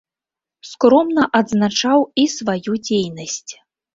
Скромна адзначаў і сваю дзейнасць.